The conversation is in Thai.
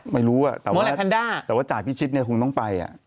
ไม่รู้แต่ว่าจ่ายพิชิตเนี่ยคงต้องไป